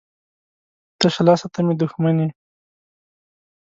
تشه لاسه ته مې دښمن یې